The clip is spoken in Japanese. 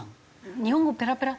日本語ペラペラ？